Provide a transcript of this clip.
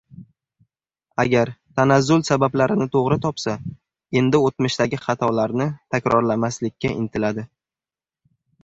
Agar tanazzul sabablarini to‘g‘ri topsa, endi o‘tmishdagi xatolarni takrorlamaslikka intiladi